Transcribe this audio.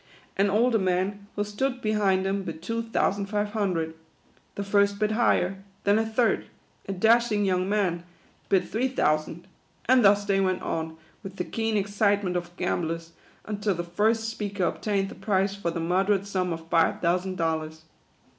An older man, who stood behind him, bid two thousand five hundred. The first bid higher ; then a third, a dashing young man, bid three thou sand ; and thus they went on, with the keen excite ment of gamblers, until the first speaker obtained the prize, for the moderate sum of five thousand dollars.